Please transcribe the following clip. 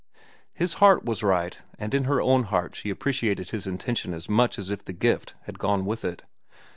His heart was right, and in her own heart she appreciated his intention as much as if the gift had gone with it.